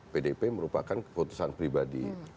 pdip merupakan keputusan pribadi